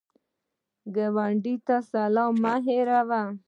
ګاونډي ته سلام مه هېروه